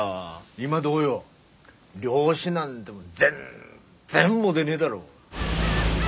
今どうよ漁師なんて全然モテねえだろ？